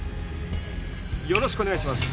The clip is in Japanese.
よろしくお願いします。